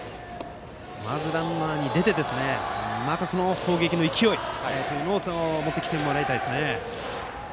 まずランナーで出て攻撃の勢いを持ってきてもらいたいですね。